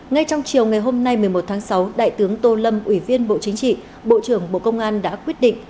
ngay trong chiều ngày hôm nay một mươi một tháng sáu đại tướng tô lâm ủy viên bộ chính trị bộ trưởng bộ công an đã quyết định